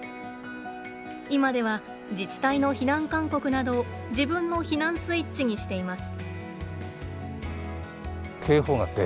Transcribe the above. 今では自治体の避難勧告などを自分の避難スイッチにしています。